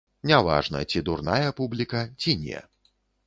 Не важна, ці дурная публіка, ці не.